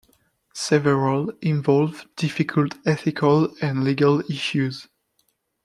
Several involve difficult ethical and legal issues.